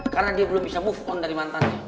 karena dia belum bisa move on dari mantannya